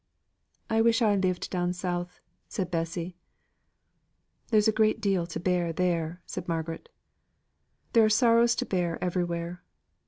"I wished I lived down South," said Bessy. "There's a deal to bear there," said Margaret. "There are sorrows to bear everywhere.